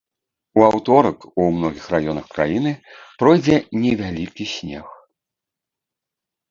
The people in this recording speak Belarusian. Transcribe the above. У аўторак у многіх раёнах краіны пройдзе невялікі снег.